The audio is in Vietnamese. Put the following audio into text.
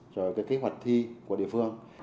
rồi cái kế hoạch thi của địa phương